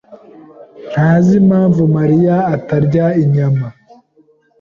ntazi impamvu Mariya atarya inyama.